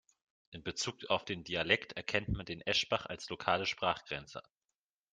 In Bezug auf den Dialekt erkennt man den Eschbach als lokale Sprachgrenze.